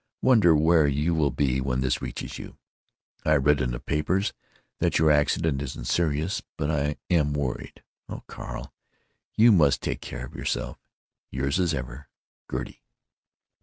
Wonder where you will be when this reaches you. I read in the papers that your accident isn't serious but I am worried, oh Carl you must take care of yourself. Yours as ever, Gertie.